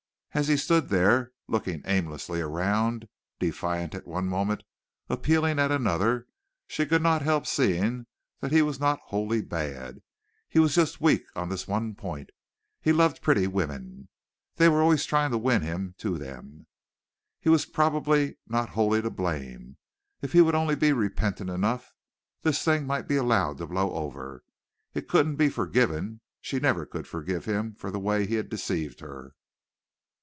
As he stood there, looking aimlessly around, defiant at one moment, appealing at another, she could not help seeing that he was not wholly bad. He was just weak on this one point. He loved pretty women. They were always trying to win him to them. He was probably not wholly to blame. If he would only be repentant enough, this thing might be allowed to blow over. It couldn't be forgiven. She never could forgive him for the way he had deceived her.